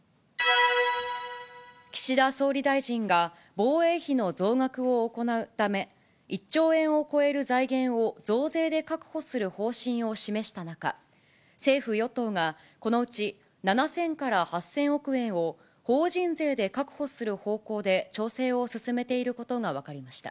岸田総理大臣が、防衛費の増額を行うため、１兆円を超える財源を増税で確保する方針を示した中、政府・与党がこのうち７０００から８０００億円を、法人税で確保する方向で調整を進めていることが分かりました。